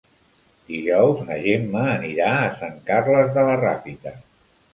Dijous na Gemma anirà a Sant Carles de la Ràpita.